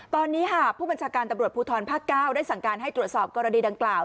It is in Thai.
ตอนนี้ผู้บัญชาการตำรวจภูทรภาค๙ได้สั่งการให้ตรวจสอบกรณีดังกล่าว